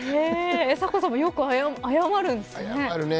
サコさんもよく謝るんですね。